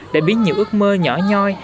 để biến những ước mơ nhỏ nhoi